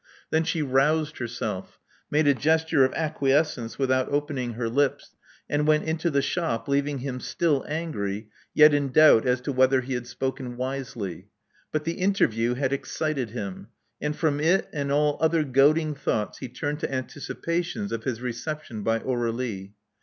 Then she roused herself; made a gesture of acquiescence without open ing her lips; and went into the shop, leaving him still . angry, yet in doubt as to whether he had spoken wisely. But the interview had excited him ; and from it and all other goading thoughts he turned to anticipations of his reception by Aur^lie.